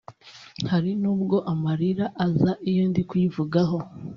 hari nubwo amarira aza iyo ndi kuyivugaho